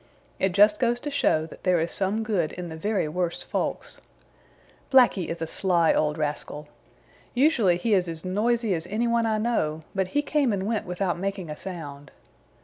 It just goes to show that there is some good in the very worst folks. Blacky is a sly old rascal. Usually he is as noisy as any one I know, but he came and went without making a sound.